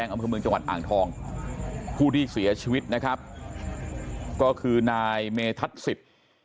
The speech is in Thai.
เอามาคือเมืองจังหวัดอ่างทองผู้ที่เสียชีวิตนะครับก็คือนายเมธัศจิต